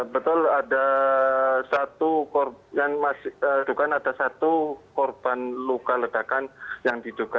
betul ada satu korban luka ledakan yang diduka